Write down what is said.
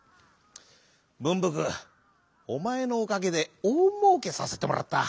「ぶんぶくおまえのおかげでおおもうけさせてもらった。